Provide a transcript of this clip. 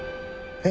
えっ？